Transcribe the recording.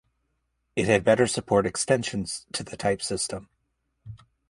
it had better support extensions to the type system